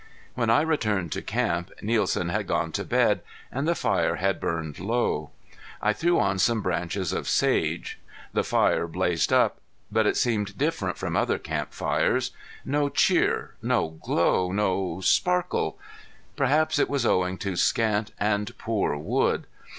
When I returned to camp Nielsen had gone to bed and the fire had burned low. I threw on some branches of sage. The fire blazed up. But it seemed different from other camp fires. No cheer, no glow, no sparkle! Perhaps it was owing to scant and poor wood.